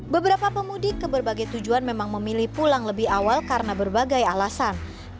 beberapa pemudik ke berbagai tujuan memang memilih pulang lebih awal karena berbagai alasan